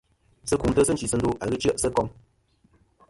Sɨ kumtɨ sɨ nchisɨndo a ghɨ chɨ'sɨ kom.